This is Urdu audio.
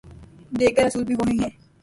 دیگر اصول بھی وہی ہیں۔